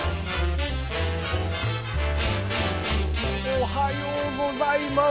おはようございます。